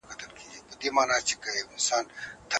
څنګه سوله ایزې خبري پر نورو هیوادونو اغیز کوي؟